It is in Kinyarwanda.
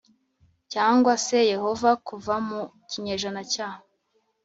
Cyangwa se yehova kuva mu kinyejana cya